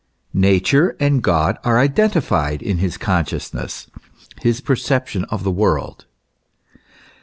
Nature and God are identified in his consciousness, his percep tion, of the world.